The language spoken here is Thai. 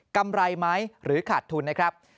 กำไรไหมหรือขาดทุนนะครับ